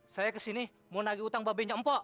saya kesini mau nagih utang babi mpa